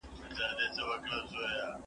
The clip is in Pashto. زه پاکوالی نه کوم؟!